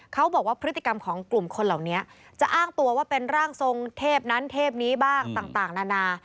เขาบอกว่าพฤติกรรมของกลุ่มคนเหล่านี้จะอ้างตัวว่าเป็นร่างทรงเทพนั้นเทพนี้บ้างต่างนานา